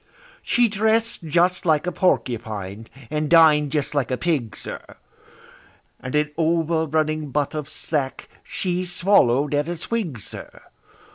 She dress'd just like a porcupine, and din'd just like a pig, sir, And an over running butt of sack she swallow'd at a swig, sir!